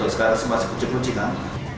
sekarang masih kucing kucing